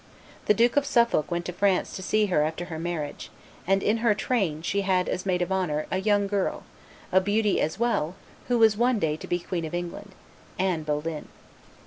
The Duke of Suffolk went to France to see her after her marriage, and in her train she had as maid of honor a young girl, a beauty as well, who was one day to be Queen of England Anne Boleyn.